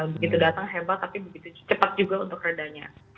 begitu datang hebat tapi begitu cepat juga untuk redanya